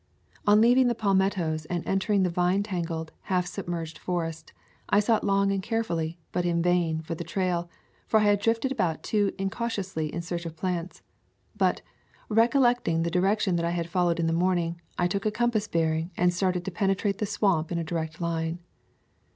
On leaving the palmettos and entering the vine tangled, half submerged for est I sought long and carefully, but in vain, for the trail, for I had drifted about too incau tiously in search of plants. But, recollecting the direction that I had followed in the morn ing, I took a compass bearing and started to penetrate the swamp in a direct line.